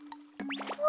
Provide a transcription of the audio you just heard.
あ。